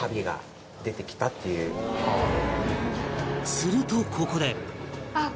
するとここで